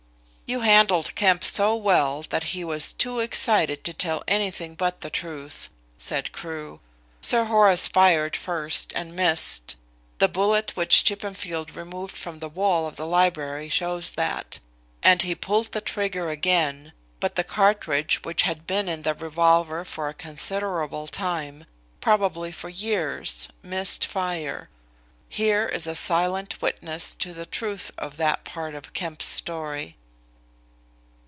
"You handled Kemp so well that he was too excited to tell anything but the truth," said Crewe. "Sir Horace fired first and missed the bullet which Chippenfield removed from the wall of the library shows that and he pulled the trigger again but the cartridge which had been in the revolver for a considerable time, probably for years, missed fire. Here is a silent witness to the truth of that part of Kemp's story."